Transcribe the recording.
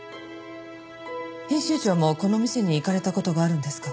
編集長もこの店に行かれた事があるんですか？